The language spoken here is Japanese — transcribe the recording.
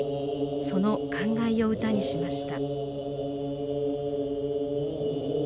その感慨を歌にしました。